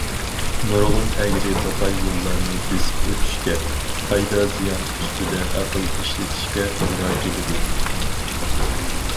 نۇرغۇن ئەگرى- توقاي يوللارنى بېسىپ ئۆتۈشكە، پايدا- زىيان ئۈستىدە ئەقىل ئىشلىتىشكە توغرا كېلىدۇ.